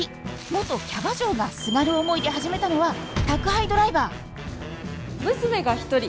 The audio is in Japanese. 元キャバ嬢がすがる思いで始めたのは宅配ドライバー娘が１人。